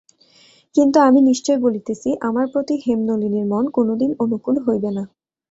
কিন্তু আমি নিশ্চয় বলিতেছি আমার প্রতি হেমনলিনীর মন কোনোদিন অনুকূল হইবে না।